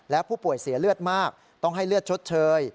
และผู้ป่วยเสียเลือดมากต้องให้เลือดชดเชย